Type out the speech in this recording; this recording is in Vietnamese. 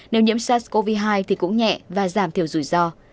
nếu nhiễm sars cov hai thì cũng nhẹ và giảm thiểu rủi ro